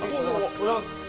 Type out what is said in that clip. おはようございます。